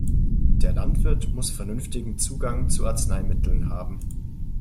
Der Landwirt muss vernünftigen Zugang zu Arzneimitteln haben.